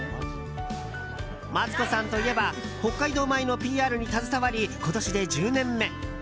マツコさんといえば北海道米のＰＲに携わり今年で１０年目。